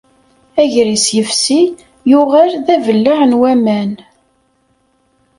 Agris yefsi yuɣal d abellaɛ n waman.